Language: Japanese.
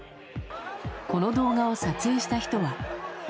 この動画を撮影した人は。